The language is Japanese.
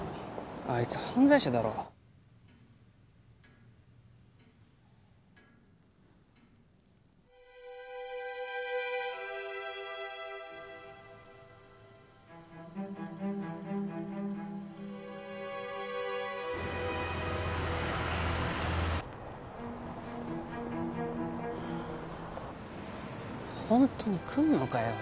あいつ犯罪者だろホントに来んのかよ？